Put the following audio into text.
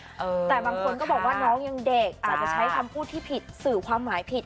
แต่บางคนก็บอกว่าน้องยังเด็กอาจจะใช้คำพูดที่ผิดสื่อความหมายผิด